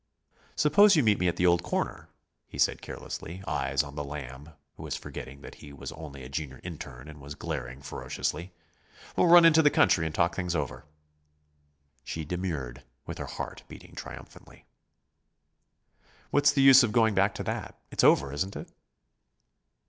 "Suppose you meet me at the old corner," he said carelessly, eyes on the Lamb, who was forgetting that he was only a junior interne and was glaring ferociously. "We'll run out into the country and talk things over." She demurred, with her heart beating triumphantly. "What's the use of going back to that? It's over, isn't it?"